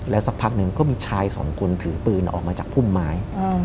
สักพักหนึ่งก็มีชายสองคนถือปืนออกมาจากพุ่มไม้